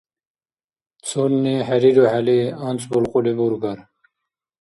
Цунни хӀерирухӀели, анцӀбулкьули бургар?